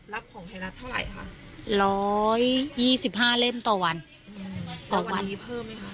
รับของธนัดเท่าไรค่ะร้อยยี่สิบห้าเล่มต่อวันอืมต่อวันนี้เพิ่มไหมค่ะ